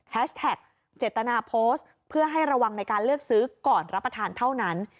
แท็กเจตนาโพสต์เพื่อให้ระวังในการเลือกซื้อก่อนรับประทานเท่านั้น